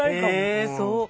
ええそう。